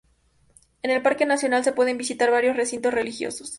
En el parque nacional, se pueden visitar varios recintos religiosos.